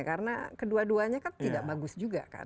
karena kedua duanya kan tidak bagus juga kan